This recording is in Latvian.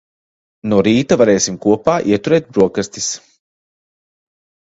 No rīta varēsim kopā ieturēt broksastis.